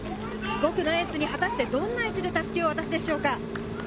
５区のエースに果たしてどんな位置で襷を渡すでしょうか。